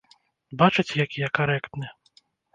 Бачыце, які я карэктны.